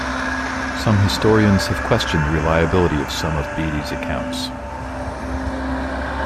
Some historians have questioned the reliability of some of Bede's accounts.